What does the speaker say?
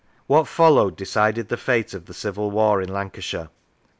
What followed decided the fate of the Civil War in Lancashire.